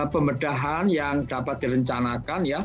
pembedahan yang dapat direncanakan ya